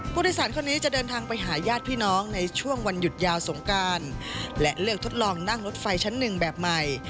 ผู้โดยสารคนนี้จะเดินทางไปหาญาติพี่น้องในช่วงวันหยุดยาวสงการและเลือกทดลองนั่งรถไฟชั้นหนึ่งแบบใหม่